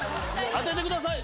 当ててください！